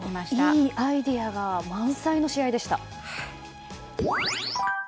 いいアイディアが満載の試合でした。